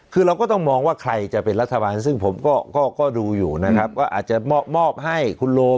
คือเราก็ต้องมองว่าใครจะเป็นรัฐบาลซึ่งผมก็ดูอยู่นะครับก็อาจจะมอบให้คุณโรม